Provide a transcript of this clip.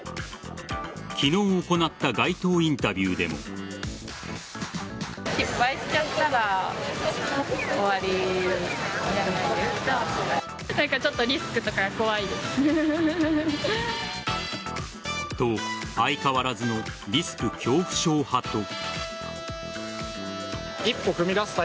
昨日行った街頭インタビューでも。と、相変わらずのリスク恐怖症派と。